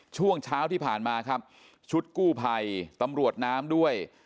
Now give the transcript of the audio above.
ช่วงเช้าที่ผ่านมาครับชุดกู้ภัยตำรวจน้ำด้วย